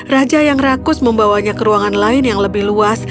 raja yang rakus membawanya ke ruangan lain yang lebih luas